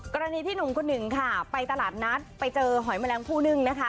กรณีที่หนุ่มคนหนึ่งค่ะไปตลาดนัดไปเจอหอยแมลงผู้นึ่งนะคะ